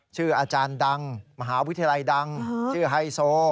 ชื่ออาจารย์ดังมหาวิทยาลัยดังชื่อไฮโซ